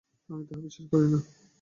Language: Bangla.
আমি তাহা বিশ্বাস করি না।